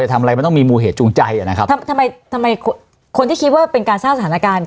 ทำไมคนที่คิดว่าเป็นการสร้างสถานการณ์